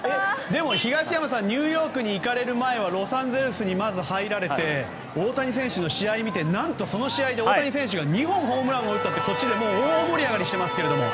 でも東山さんニューヨークに行かれる前はロサンゼルスにまず入られて大谷選手の試合を見て何と、その試合で大谷選手が２本ホームランを打ったってこっちで大盛り上がりしてますけども。